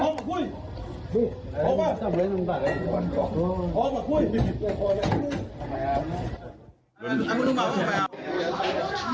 แต่งปกดาลงนะครับก็บอกว่าศาลไลท์วดดลงไปครึ่งมือ